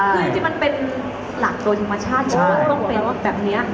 คือที่มันเป็นหลักโดยธิมาชาติก็ต้องเป็นแบบเนี้ย